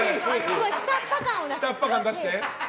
下っ端感を出して。